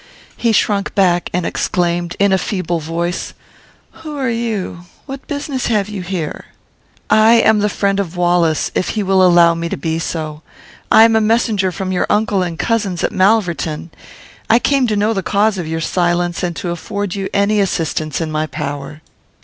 He shrunk back, and exclaimed, in a feeble voice, "Who are you? What business have you here?" "I am the friend of Wallace, if he will allow me to be so. I am a messenger from your uncle and cousins at Malverton. I came to know the cause of your silence, and to afford you any assistance in my power."